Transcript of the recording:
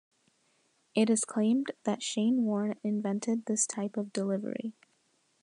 It is claimed that Shane Warne invented this type of delivery.